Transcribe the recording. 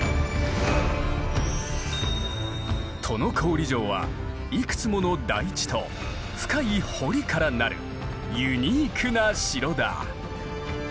都於郡城はいくつもの台地と深い堀から成るユニークな城だ。